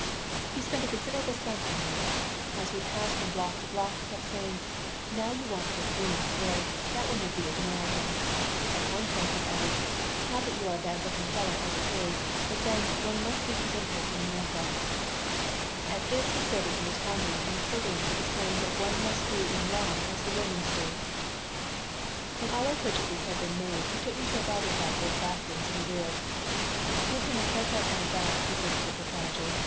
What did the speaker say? He spent a considerable sum on me. As we passed from block to block he kept saying, "Now you won't look green," or, "That will make you look American." At one point he added, "Not that you are a bad looking fellow as it is, but then one must be presentable in America." At this he quoted from the Talmud an equivalent to the saying that one must do in Rome as the Romans do When all our purchases had been made he took me to a barber shop with bathrooms in the rear "Give him a hair cut and a bath," he said to the proprietor.